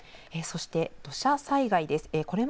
そして土砂災害です。